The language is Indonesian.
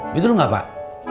betul gak pak